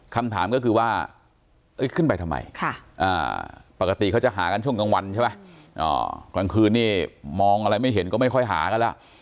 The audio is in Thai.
คำถามก็คือว่าขึ้นไปทำไมปกติเขาจะหากันช่วงกลางวันใช่ไหมกลางคืนนี่มองอะไรไม่เห็นก็ไม่ค่อยหากันแล้ว